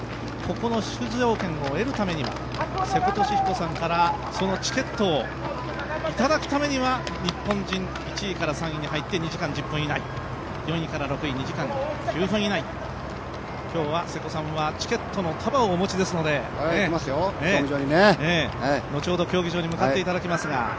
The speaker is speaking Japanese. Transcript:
ここの出場権を得るためには、瀬古利彦さんからそのチケットをいただくためには日本人１位から３位に入って２時間１０分以内、４位から６位２時間９分以内、今日は瀬古さんはチケットの束をお持ちですので後ほど競技場に向かっていただきますが。